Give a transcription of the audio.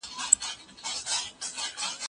زه تل رښتیا وایم